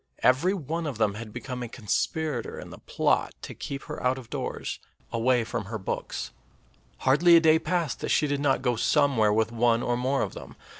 Every one of them had become a conspirator in the plot to keep her out of doors, away from her books; hardly a day passed that she did not go somewhere with one or more of them.